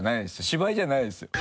芝居じゃないですよ。